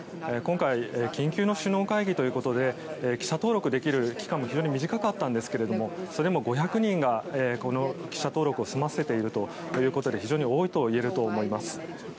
今回、緊急の首脳会議ということで記者登録できる期間も非常に短かったんですがそれも５００人がこの記者登録を済ませているということで非常に多いといえると思います。